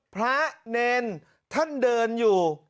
พระเนรท่านเดินอยู่